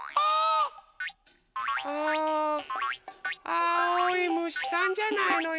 あおいむしさんじゃないのよ！